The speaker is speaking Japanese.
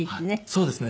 そうですね。